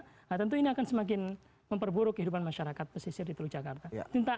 nah tentu ini akan semakin memperburuk kehidupan masyarakat pesisir di teluk jakarta